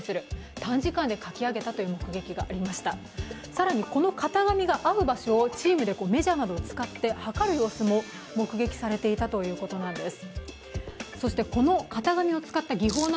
更にこの型紙が合う場所をメジャーなどを使ってチームで測る様子も目撃されていたということなんです。